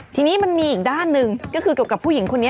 ทีนี้มันมีอีกด้านหนึ่งก็คือเกี่ยวกับผู้หญิงคนนี้